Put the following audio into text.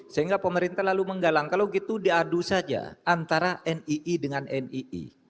sehingga pemerintah lalu menggalang kalau gitu diadu saja antara nii dengan nii